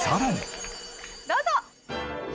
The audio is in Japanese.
どうぞ！